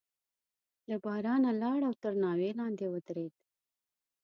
له بارانه لاړ او تر ناوې لاندې ودرېد.